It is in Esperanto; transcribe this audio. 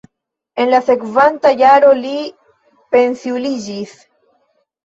En la sekvanta jaro li pensiuliĝis.